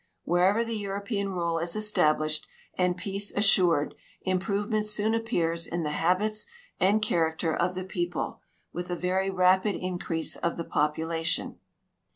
WhereA'er the European rule is established and peace assured, improA'ement soon appears in the habits and character of the people, AAuth a A'ery rapid increase of the population.